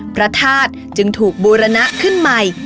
พระธาตุจึงถูกบูรณะขึ้นใหม่